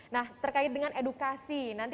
nah terkait dengan edukasi nanti